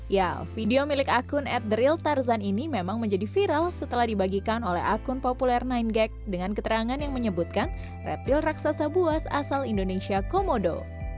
ya video milik akun at the ril tarzan ini memang menjadi viral setelah dibagikan oleh akun populer sembilan gag dengan keterangan yang menyebutkan reptil raksasa buas asal indonesia komodo